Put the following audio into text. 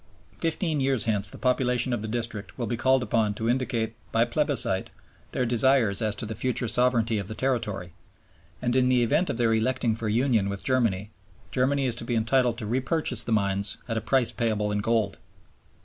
Fifteen years hence the population of the district will be called upon to indicate by plebiscite their desires as to the future sovereignty of the territory; and, in the event of their electing for union with Germany, Germany is to be entitled to repurchase the mines at a price payable in gold.